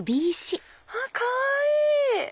あっかわいい！